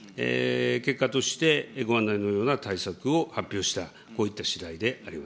結果としてご案内のような対策を発表した、こういったしだいであ